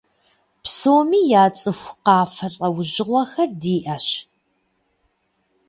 Псоми яцӀыху къафэ лӀэужьыгъуэхэр диӀэщ.